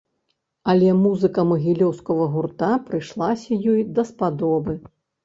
Але музыка магілёўскага гурта прыйшлася ёй даспадобы.